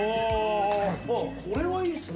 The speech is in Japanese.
これはいいっすね。